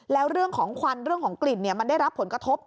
แล้วเรื่องของควันเรื่องของกลิ่นมันได้รับผลกระทบ